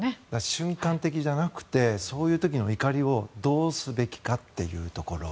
瞬間的じゃなくてそういう時の怒りをどうすべきかっていうところ。